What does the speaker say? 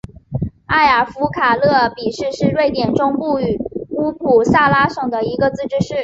艾尔夫卡勒比市是瑞典中东部乌普萨拉省的一个自治市。